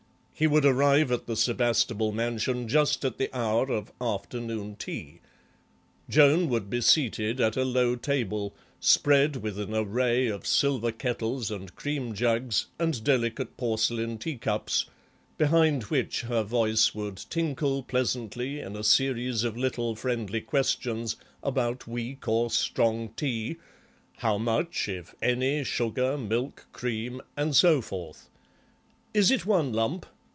He would arrive at the Sebastable mansion just at the hour of afternoon tea. Joan would be seated at a low table, spread with an array of silver kettles and cream jugs and delicate porcelain tea cups, behind which her voice would tinkle pleasantly in a series of little friendly questions about weak or strong tea, how much, if any, sugar, milk, cream, and so forth. "Is it one lump?